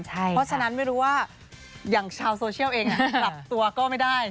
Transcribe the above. เพราะฉะนั้นไม่รู้ว่าอย่างชาวโซเชียลเองปรับตัวก็ไม่ได้